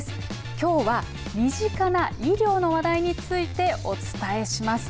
きょうは身近な医療の話題についてお伝えします。